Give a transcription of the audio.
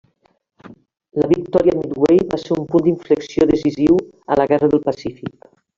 La victòria a Midway va ser un punt d'inflexió decisiu a la guerra del Pacífic.